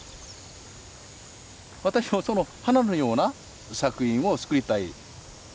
私もその花のような作品を作りたい。